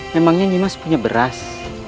memangnya nih mas punya beras